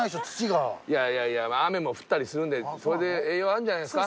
いやいやいや雨も降ったりするんでそれで栄養あるんじゃないんですか。